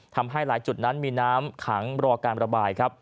ทำให้หลายจุดนั้นมีน้ำขังรอการระบายครับ